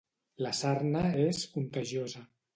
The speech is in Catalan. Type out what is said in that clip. La sarna és contagiosa.